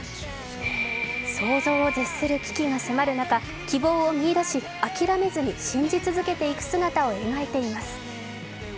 想像を絶する危機が迫る中、希望を見出し、諦めずに信じ続けていく姿を描いています。